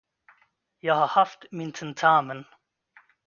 Jag har haft min tentamen.